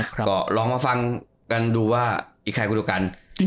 ก็ลองมาฟังกันดูว่าอีกคลายคุณกรรม